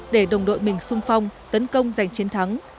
để đồng đội mình sung phong tấn công giành chiến thắng